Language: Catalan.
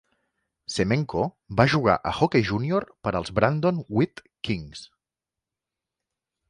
Semenko va jugar a hoquei júnior per als Brandon Wheat Kings.